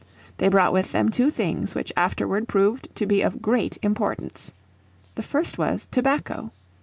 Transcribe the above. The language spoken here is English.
They brought with them two things which afterward proved to be of wit great importance. The first was tobacco.